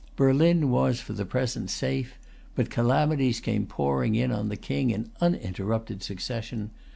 Berlin was for the present safe; but calamities came pouring on the King in uninterrupted succession.